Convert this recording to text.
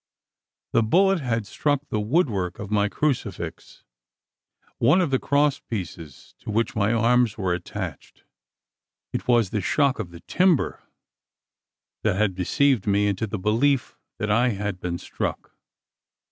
The bullet had struck the wood work of my crucifix one of the crosspieces to which my arms were attached. It was the shock of the timber that had deceived me into the belief that I had been struck.